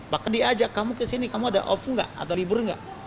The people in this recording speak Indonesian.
bahkan diajak kamu ke sini kamu ada off nggak atau libur nggak